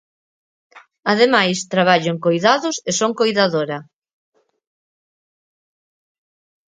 Ademais, traballo en coidados e son coidadora.